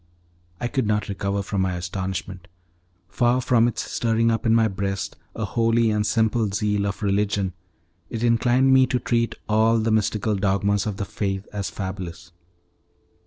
I could not recover from my astonishment! Far from its stirring up in my breast a holy and simple zeal of religion, it inclined me to treat all the mystical dogmas of the Faith as fabulous.